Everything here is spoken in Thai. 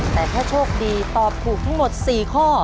แต่ถ้าโชคดีตอบถูกทั้งหมด๔ข้อ